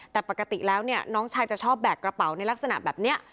แต่ปกติแล้วเนี่ยน้องชายจะชอบแบกกระเป๋าในลักษณะแบบนี้